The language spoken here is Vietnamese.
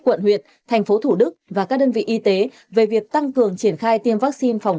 quận huyện thành phố thủ đức và các đơn vị y tế về việc tăng cường triển khai tiêm vaccine phòng